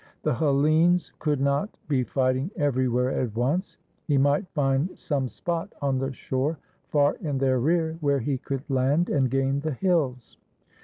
The Hellenes could not be fighting everywhere at once. He might find some spot on the shore far in their rear, where he could land and gain the hills.